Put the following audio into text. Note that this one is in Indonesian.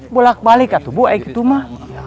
bolak balik katubu eik itu mah